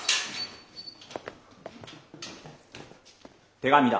手紙だ。